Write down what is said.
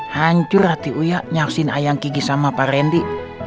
hancur hati uya nyaksiin ayang kiki sama pak randy